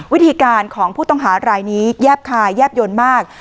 วิธีการของผู้ต้องหารายนี้แยบคายแยบยนต์มาก